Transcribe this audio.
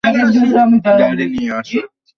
গাড়ি নিয়ে আসো।